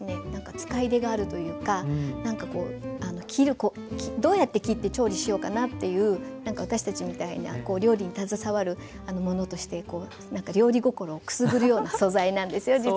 使いでがあるというかどうやって切って調理しようかなっていう私たちみたいな料理に携わる者として料理心をくすぐるような素材なんですよ実は。